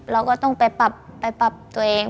เราก็ต้องไปปรับตัวเอง